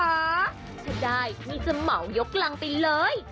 ถ้าได้พี่จะเหมายกรังไปเลย